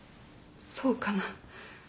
そうかな？